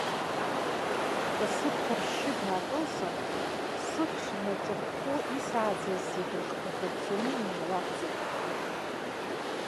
Бкасы бхаршьшьы баакылсын, сыхш нырҿархәхәо исааӡаз зегь рыхқәа хыҵәҵәаны инеилабҵеит!